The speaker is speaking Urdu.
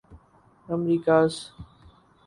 امیریکاز